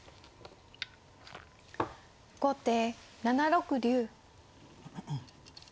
後手７六竜。